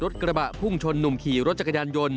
กระบะพุ่งชนหนุ่มขี่รถจักรยานยนต์